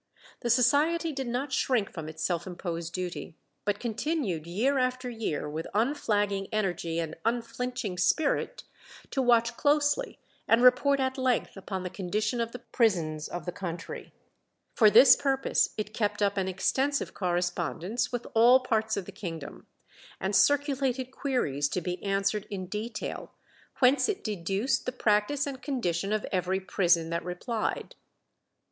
The Society did not shrink from its self imposed duty, but continued year after year, with unflagging energy and unflinching spirit, to watch closely and report at length upon the condition of the prisons of the country. For this purpose it kept up an extensive correspondence with all parts of the kingdom, and circulated queries to be answered in detail, whence it deduced the practice and condition of every prison that replied.